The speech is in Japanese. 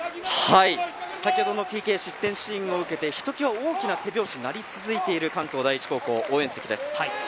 先ほどのＰＫ、失点シーンを受けてひときわ大きな手拍子が鳴り続いている関東第一高校の応援席です。